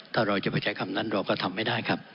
ถ้าเราจะไปใช้คำนั้นเราก็ทำไม่ได้ครับ